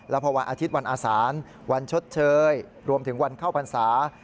แล้วพอวันอาทิตย์วันอาสานวันชดเชยรวมถึงวันเข้าพรรษา